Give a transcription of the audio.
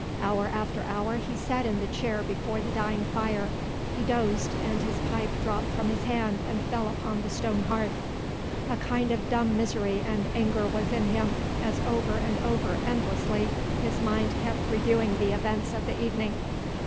Hour after hour he sat in the chair before the dying fire. He dozed and his pipe dropped from his hand and fell upon the stone hearth. A kind of dumb misery and anger was in him as over and over endlessly his mind kept reviewing the events of the evening.